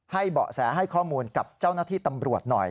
เบาะแสให้ข้อมูลกับเจ้าหน้าที่ตำรวจหน่อย